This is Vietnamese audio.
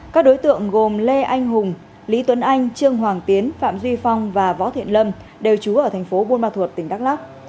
các đối tượng gồm lê anh hùng lý tuấn anh trương hoàng tiến phạm duy phong và võ thiện lâm đều trú ở thành phố buôn ma thuột tỉnh đắk lắc